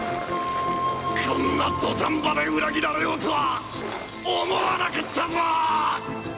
こんな土壇場で裏切られようとは思わなかったぞ！